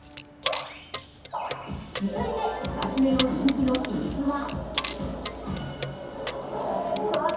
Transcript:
続いて２つ目の人気の秘密は。